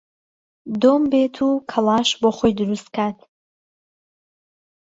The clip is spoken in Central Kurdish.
دۆم بێت و کڵاش بۆ خۆی دروست کات